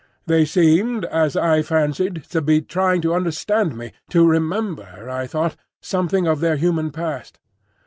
They seemed, as I fancied, to be trying to understand me, to remember, I thought, something of their human past.